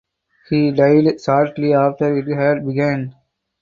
He died shortly after it had begun.